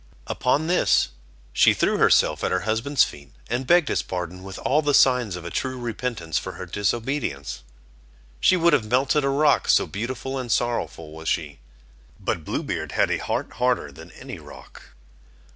Upon this she threw herself at her husband's feet, and begged his pardon with all the signs of a true repentance for her disobedience. She would have melted a rock, so beautiful and sorrowful was she; but Blue Beard had a heart harder than any rock.